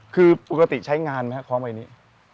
คือปกติใช้งานไหมครับคล้องใบนี้